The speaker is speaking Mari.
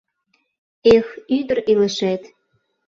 Эх, ӱдыр илышет -